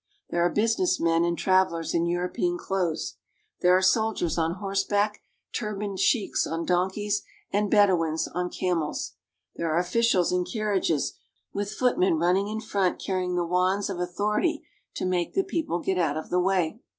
There are business men and travelers in European clothes. There are soldiers on horseback, turbaned sheiks on donkeys, and Bedouins on camels. There are officials in carriages, with footmen running in front carrying the. wands of authority to make the people get out of the way.